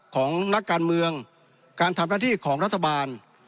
ของนักการเมืองการทำหน้าที่ของรัฐบาล